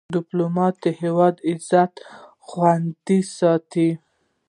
ډيپلومات د هیواد عزت خوندي ساتي.